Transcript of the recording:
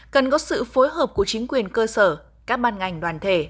cần có sự phối hợp của chính quyền cơ sở các ban ngành đoàn thể